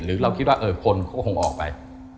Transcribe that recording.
หรือเราคิดว่าคนก็คงออกไป